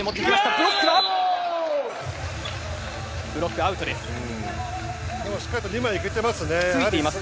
ブロックアウトです。